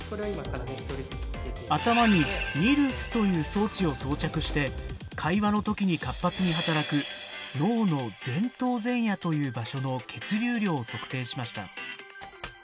頭にＮＩＲＳという装置を装着して会話の時に活発に働く脳の前頭前野という場所の血流量を測定しました。